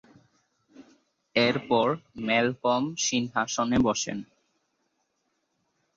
এরপর ম্যালকম সিংহাসনে বসেন।